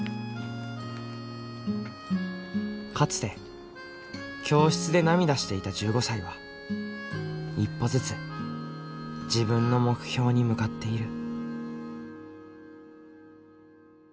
かつて教室で涙していた１５歳は一歩ずつ自分の目標に向かっている。